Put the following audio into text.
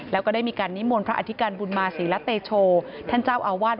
แล้วก็ได้มีการนิมนต์พระอธิการบุญมาศรีละเตโชท่านเจ้าอาวาส